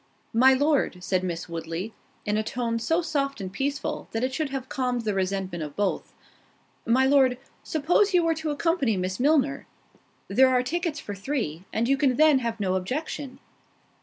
"My Lord," said Miss Woodley, (in a tone so soft and peaceful, that it should have calmed the resentment of both,) "my Lord, suppose you were to accompany Miss Milner? there are tickets for three, and you can then have no objection."